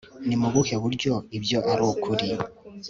ni mu buhe buryo ibyo ari ukuri